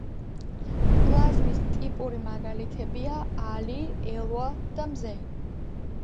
პლაზმის ტიპური მაგალითებია ალი, ელვა და მზე.